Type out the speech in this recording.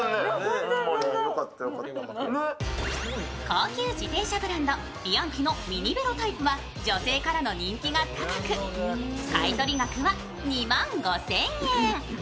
高級自転車ブランド、ビアンキのミニベロタイプは女性からの人気が高く、買取額は２万５０００円。